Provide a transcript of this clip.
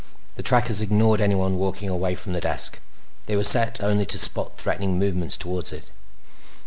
The trackers ignored anyone walking away from the desk; they were set only to spot threatening movements toward it.